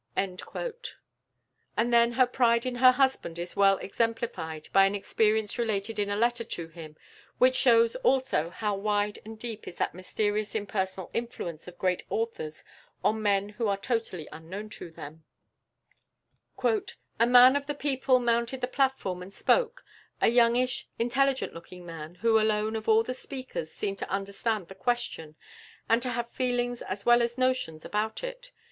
And then her pride in her husband is well exemplified by an experience related in a letter to him, which shows also how wide and deep is that mysterious impersonal influence of great authors on men who are totally unknown to them: "A man of the people mounted the platform and spoke; a youngish, intelligent looking man, who alone, of all the speakers, seemed to understand the question, and to have feelings as well as notions about it.